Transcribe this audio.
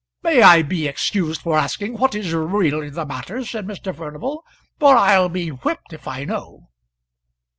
"May I be excused for asking what is really the matter?" said Mr. Furnival, "for I'll be whipped if I know."